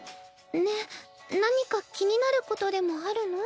ねえ何か気になることでもあるの？